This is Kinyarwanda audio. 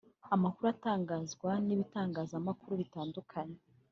Amakuru atangazwa n’ibitangazamakuru bitandukanye